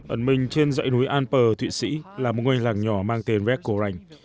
ẩn mình trên dạy núi alper ở thụy sĩ là một ngôi làng nhỏ mang tên vecco ranh